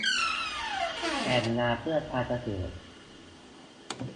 แหล่งน้ำเพื่อการเกษตร